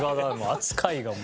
扱いがもう。